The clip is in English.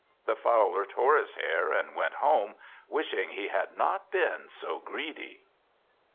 The Fowler tore his hair, and went home, wishing he had not been so greedy.